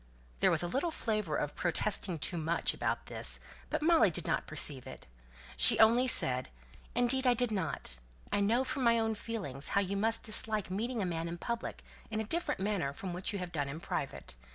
There was a little flavour of "protesting too much" about this; but Molly did not perceive it. She only said, "Indeed I did not. I know from my own feelings how you must dislike meeting a man in public in a different manner from what you have done in private.